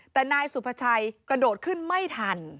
แต่นายสุภาชัยกระโดดขึ้นไม่ทัน